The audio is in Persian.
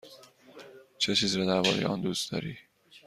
چه چیز را درباره آن دوست داری؟